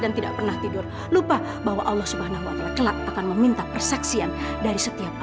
dan tidak pernah tidur lupa bahwa allah subhanahu wa ta'ala telah akan meminta perseksian dari setiap